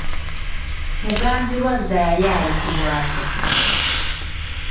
Muganzirwazza yali ayitibwa atya?